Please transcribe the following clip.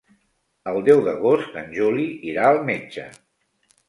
El deu d'agost en Juli irà al metge.